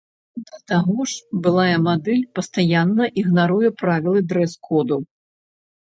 Да таго ж, былая мадэль пастаянна ігнаруе правілы дрэс-коду.